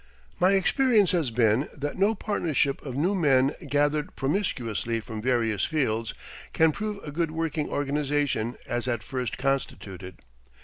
My experience has been that no partnership of new men gathered promiscuously from various fields can prove a good working organization as at first constituted.